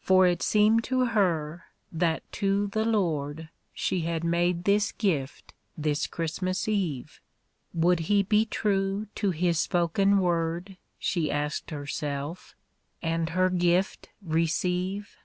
For it seemed to her that to the Lord She had made this gift this Christmas Eve; Would He be true to His spoken word, She asked herself, and her gift receive